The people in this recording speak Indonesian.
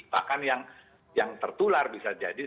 bahkan yang tertular bisa jadi